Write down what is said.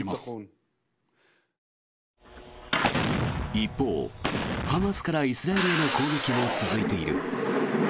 一方、ハマスからイスラエルへの攻撃も続いている。